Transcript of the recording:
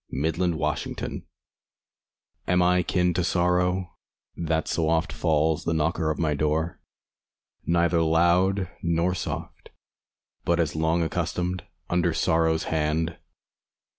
Kin to Sorrow Am I kin to Sorrow, That so oft Falls the knocker of my door Neither loud nor soft, But as long accustomed, Under Sorrow's hand?